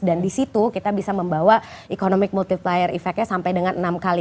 dan di situ kita bisa membawa economic multiplier effect nya sampai dengan enam kali